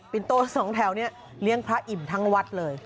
ินโตสองแถวนี้เลี้ยงพระอิ่มทั้งวัดเลย